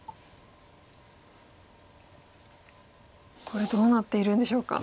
これどうなっているんでしょうか。